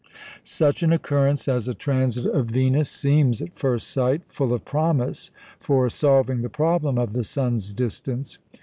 Such an occurrence as a transit of Venus seems, at first sight, full of promise for solving the problem of the sun's distance.